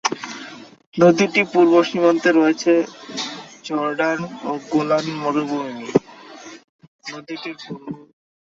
নদীটির পূর্ব সীমান্তে রয়েছে জর্ডান ও গোলান মালভূমি এবং পশ্চিম সীমান্তে রয়েছে ফিলিস্তিনের পশ্চিম তীর ও ইসরায়েল।